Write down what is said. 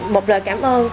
một lời cảm ơn